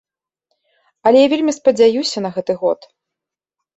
Але я вельмі спадзяюся на гэты год.